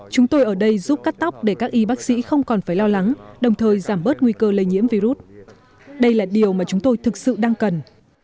chúng tôi ở đây giúp cắt tóc để các y bác sĩ không còn phải lo lắng đồng thời giảm bớt nguy cơ lây nhiễm virus đây là điều mà chúng tôi thực sự đang cần